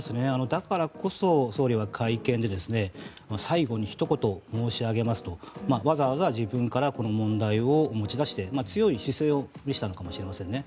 だからこそ、総理は会見で最後にひと言申し上げますとわざわざ自分からこの問題を持ち出して強い姿勢を見せたのかもしれませんね。